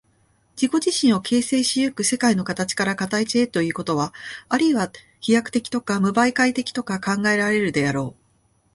自己自身を形成し行く世界の形から形へということは、あるいは飛躍的とか無媒介的とか考えられるであろう。